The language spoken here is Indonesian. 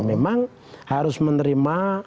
memang harus menerima